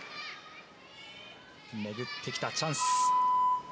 巡ってきたチャンス。